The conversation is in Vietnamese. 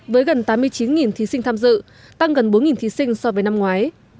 với gần tám mươi chín thí sinh tham dự tăng gần bốn thí sinh so với năm ngoái